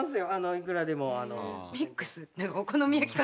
いくらでも。